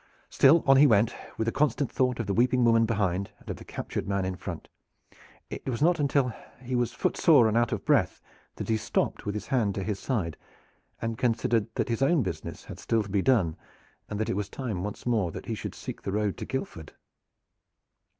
Still on he went, with the constant thought of the weeping woman behind and of the captured man in front. It was not until he was footsore and out of breath that he stopped with his hand to his side, and considered that his own business had still to be done, and that it was time once more that he should seek the road to Guildford.